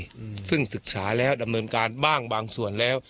อืมซึ่งศึกษาแล้วดำเนินการบ้างบางส่วนแล้ว